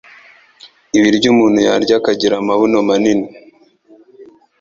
ibiryo umuntu yarya akagira amabuno manini